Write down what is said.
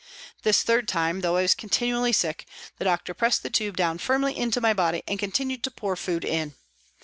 This third time, though I was con tinually sick, the doctor pressed the tube down firmly into my body and continued to pour food in.